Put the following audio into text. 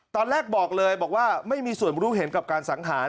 ตอนแรกบอกเลยบอกว่าไม่มีส่วนรู้เห็นกับการสังหาร